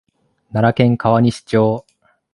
奈良県川西町